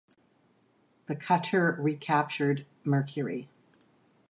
The cutter recaptured "Mercury".